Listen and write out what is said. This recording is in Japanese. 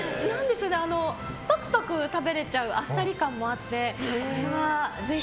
パクパク食べれちゃうあっさり感もあってこれはぜひ。